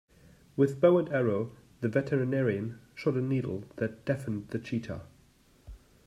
With bow and arrow the veterinarian shot a needle that deafened the cheetah.